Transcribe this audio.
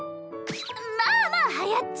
まあまあはやっち！